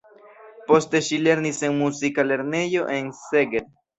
Poste ŝi lernis en muzika lernejo en Szeged.